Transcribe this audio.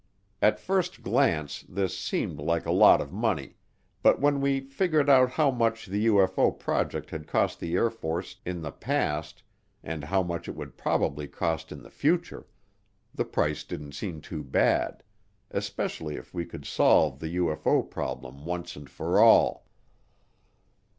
At first glance this seemed like a lot of money, but when we figured out how much the UFO project had cost the Air Force in the past and how much it would probably cost in the future, the price didn't seem too bad especially if we could solve the UFO problem once and for all.